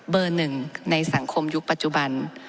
หนึ่งในสังคมยุคปัจจุบัน